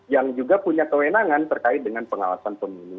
yang juga punya kewenangan terkait dengan pengawasan pemilu